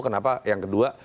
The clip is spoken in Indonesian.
kenapa yang kedua